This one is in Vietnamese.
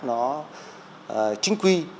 nó chính quy